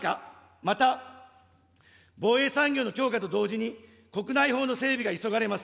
また、防衛産業の強化と同時に、国内法の整備が急がれます。